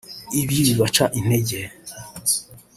Ibi bibaca intege